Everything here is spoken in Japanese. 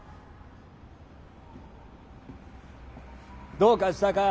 どうかしたか？